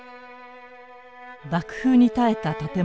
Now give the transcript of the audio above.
爆風に耐えた建物。